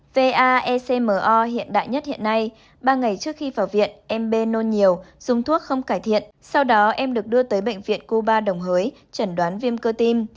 va ecmo hiện đại nhất hiện nay ba ngày trước khi vào viện em bê nôn nhiều dùng thuốc không cải thiện sau đó em được đưa tới bệnh viện cuba đồng hới chẩn đoán viêm cơ tim